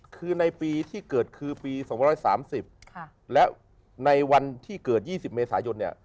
คือในปีที่เกิดคือปี๒๓๐และในวันที่เกิด๒๐เมษายนเนี่ย